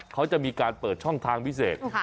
เขาจะมีการเปิดช่องทางพิเศษ